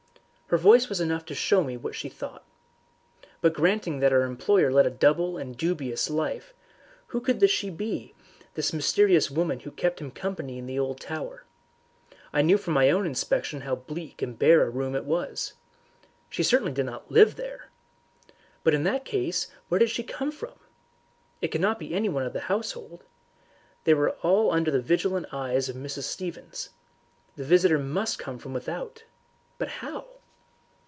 Her voice was enough to show me what she thought. But granting that our employer led a double and dubious life, who could she be, this mysterious woman who kept him company in the old tower? I knew from my own inspection how bleak and bare a room it was. She certainly did not live there. But in that case where did she come from? It could not be anyone of the household. They were all under the vigilant eyes of Mrs. Stevens. The visitor must come from without. But how?